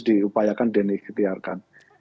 diupayakan dan diikhtiarkan